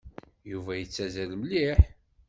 Yuba yettazzal mliḥ.